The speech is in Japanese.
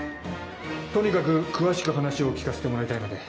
とにかく詳しく話を聞かせてもらいたいので。